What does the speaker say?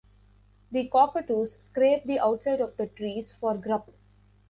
The cockatoos scrape the outside of the trees for grub.